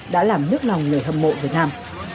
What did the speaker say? đã làm nhức lòng người hâm mộ việt nam